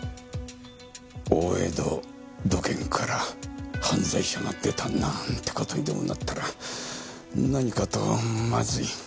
大江戸土建から犯罪者が出たなんて事にでもなったら何かとまずい。